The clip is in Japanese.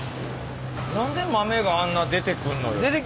何で豆があんな出てくんのよ。